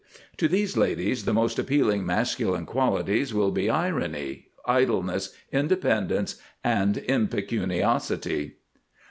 To these ladies the most appealing masculine qualities will be Irony, Idleness, Independence, and Impecuniosity.